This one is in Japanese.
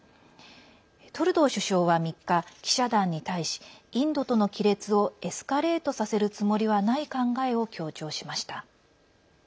トルドー首相は３日記者団に対しインドとの亀裂をエスカレートさせるつもりはない考えを強調しました。